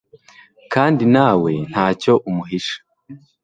kandi nawe ntacyo umuhisha